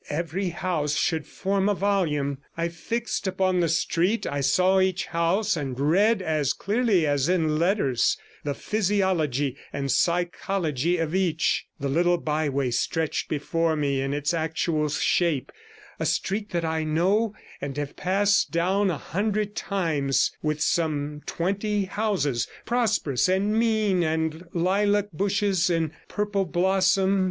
Every house should form a volume. I fixed upon the street, I saw each house, and read as clearly as in letters the physiology and psychology of each; the little byway stretched before me in its actual shape a street that I know and have passed down a hundred times, with some twenty houses, prosperous and mean, and lilac bushes in purple blossom.